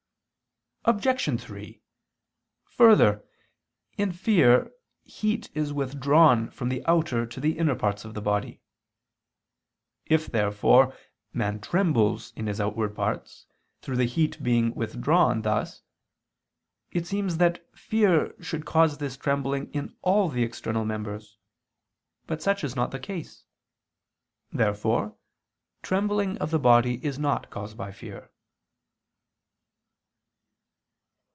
Obj. 3: Further, in fear, the heat is withdrawn from the outer to the inner parts of the body. If, therefore, man trembles in his outward parts, through the heat being withdrawn thus; it seems that fear should cause this trembling in all the external members. But such is not the case. Therefore trembling of the body is not caused by fear.